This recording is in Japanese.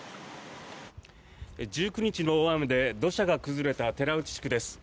１９日の大雨で土砂が崩れた寺内地区です。